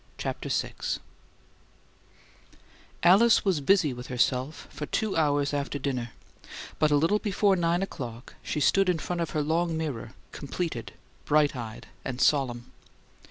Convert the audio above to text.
CHAPTER VI Alice was busy with herself for two hours after dinner; but a little before nine o'clock she stood in front of her long mirror, completed, bright eyed and solemn.